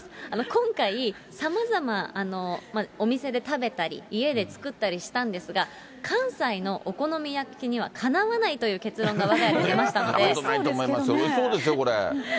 今回、さまざま、お店で食べたり、家で作ったりしたんですが、関西のお好み焼きにはかなわないという結論がわが家で出ましたのおいしそうですけどね。